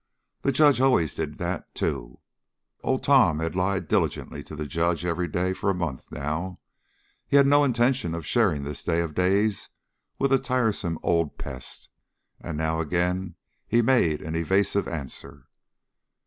The judge always did that, too. Old Tom had lied diligently to the judge every day for a month now, for he had no intention of sharing this day of days with a tiresome old pest, and now he again made an evasive answer.